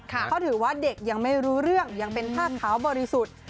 เขาถือว่าเด็กยังไม่รู้เรื่องยังเป็นผ้าขาวบริสุทธิ์